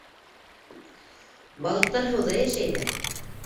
—Балыҡтар һыуҙа йәшәй ҙә.